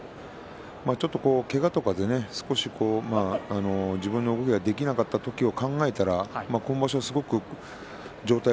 ちょっと、けがとかでね少し自分の動きができなかった時のことを考えたらば今場所